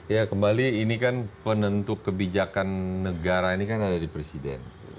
ya kembali ini kan penentu kebijakan negara ini kan ada di presiden